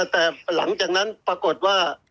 แต่หลังจากนั้นปรากฏว่า